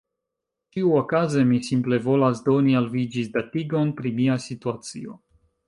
Ĉiuokaze, mi simple volas doni al vi ĝisdatigon pri mia situacio.